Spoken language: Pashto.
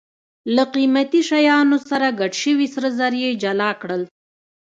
له قیمتي شیانو سره ګډ شوي سره زر یې جلا کړل.